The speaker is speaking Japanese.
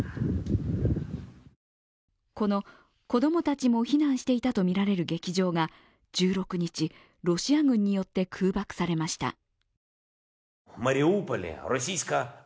この子供たちも避難していたとみられる劇場が１６日、ロシア軍によって空爆されました。